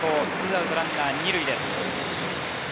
２アウトランナー２塁です。